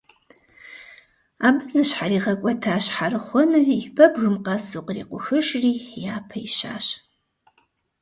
Абы зыщхьэригъэкӀуэта щхьэрыхъуэныр и пэбгым къэсу кърикъухыжри, япэ ищащ.